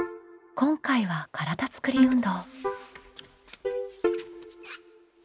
今回は「体つくり運動」。